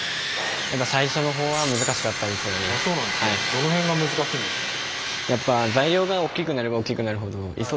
どの辺が難しいんですか？